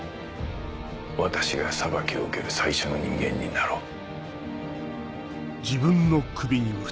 私が裁きを受ける最初の人間になろう。